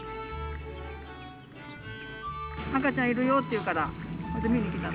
赤ちゃんいるよっていうから、見に来たの。